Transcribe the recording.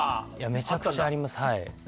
めちゃくちゃあります。